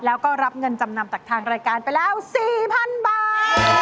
แล้วก็รับเงินจำนำจากทางรายการไปแล้ว๔๐๐๐บาท